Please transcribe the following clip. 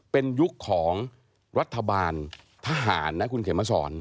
เป็นยุคของรัฐบาลทหารนะคุณเขมสอน